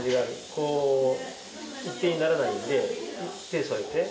こう、一定にならないので、手添えて。